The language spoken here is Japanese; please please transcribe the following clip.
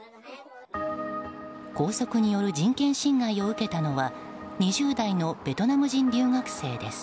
拘束による人権侵害を受けたのは２０代のベトナム人留学生です。